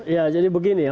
ya jadi begini ya